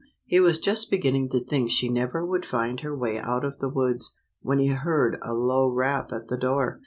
He was just beginning to think she never would find her way out of the woods, when he heard a low rap at the door.